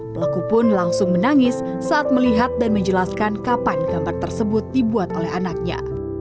pelaku pun langsung menangis saat melihat dan menjelaskan kapan gambar tersebut dibuat oleh anaknya